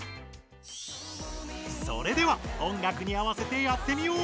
それでは音楽に合わせてやってみよう！